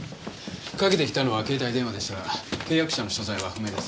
かけてきたのは携帯電話でしたが契約者の所在は不明です。